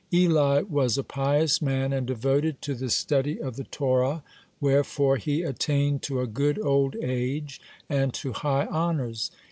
Eli was a pious man, and devoted to the study of the Torah, wherefore he attained to a good old age and to high honors.